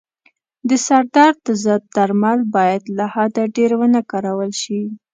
د سردرد ضد درمل باید له حده ډېر و نه کارول شي.